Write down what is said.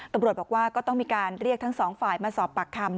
ตำรวจบอกว่าก็ต้องมีการเรียกทั้งสองฝ่ายมาสอบปากคำ